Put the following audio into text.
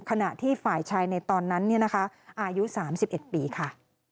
ขณะที่ฝ่ายชายในตอนนั้นอายุ๓๑ปีค่ะ